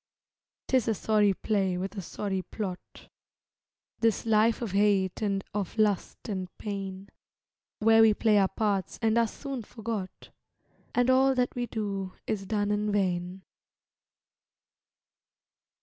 'Tis a sorry play with a sorry plot, This life of hate and of lust and pain, Where we play our parts and are soon forgot, And all that we do is done in vain.